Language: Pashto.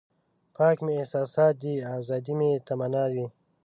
پاک مې احساسات دي ازادي مې تمنا وي.